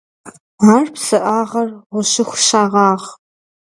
Ар псыӏагъэр гъущыху щагъагъ.